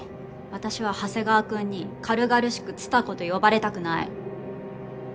私は長谷川君に軽々しく「蔦子」と呼ばれたくない。